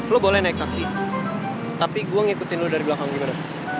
lo boleh naik taksi tapi gue ngikutin lo dari belakang gimana